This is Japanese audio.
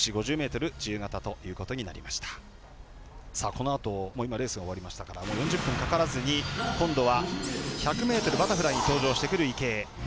このあと今のレースが終わりましたから４０分かからずに今度は１００ｍバタフライに登場する池江。